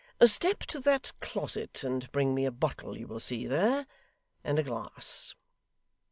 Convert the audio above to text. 'Step to that closet and bring me a bottle you will see there, and a glass.